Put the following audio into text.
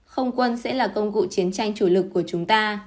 không quân sẽ là công cụ chiến tranh chủ lực của chúng ta